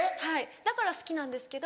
だから好きなんですけど。